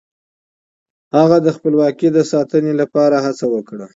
هغه د خپلواکۍ د ساتنې لپاره هڅه وکړه.